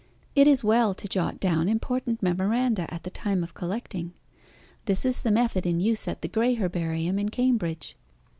It is well to jot down important memoranda at the time of collecting. This is the method in use at the Gray Herbarium in Cambridge.